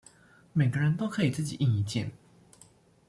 每個人都可以自己印一件